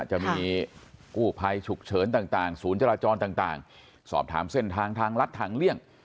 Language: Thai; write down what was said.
จะมีกู้ภัยฉุกเฉินต่างศูนย์จราจรต่างสอบถามเส้นทางทางลัดทางเลี่ยง